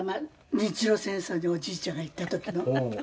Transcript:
「日露戦争におじいちゃんが行った時の」